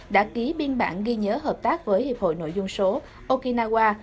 đã ký biên bản ghi nhớ hợp tác với hiệp hội nội dung số okinawa